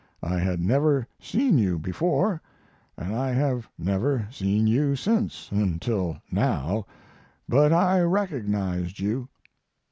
I had never seen you before, and I have never seen you since until now, but I recognized you.'